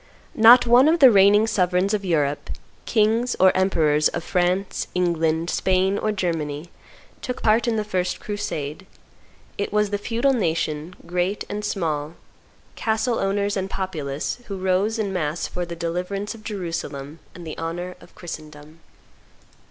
Not one of the reigning sovereigns of Europe, kings or emperors, of France, England, Spain, or Germany, took part in the first crusade. It was the feudal nation, great and small, castle owners and populace, who rose in mass for the deliverance of Jerusalem and the honor of Christendom.